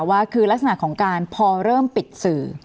ว่าคือลักษณะของการพอเริ่มปิดสื่อ